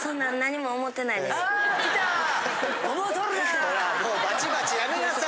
もうバチバチやめなさい。